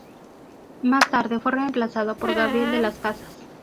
Más tarde fue reemplazado por Gabriel de las Casas.